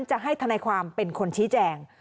จะให้ทนายความเป็นคนชี้แจง